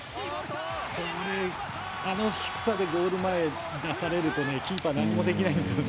あの低さでゴール前出されるとキーパーは何もできないんだよね。